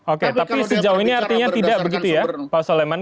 oke tapi sejauh ini artinya tidak begitu ya pak soleman